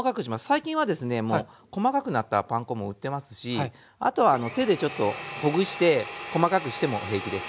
最近はですねもう細かくなったパン粉も売ってますしあとは手でちょっとほぐして細かくしても平気です。